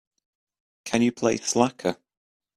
Can you play Slacker?